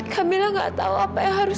kamera nggak tahu apa yang harus